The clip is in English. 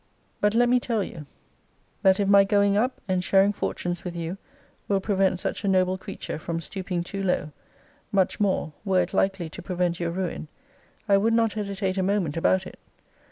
But let me tell you, that if my going up, and sharing fortunes with you, will prevent such a noble creature from stooping too low; much more, were it likely to prevent your ruin, I would not hesitate a moment about it.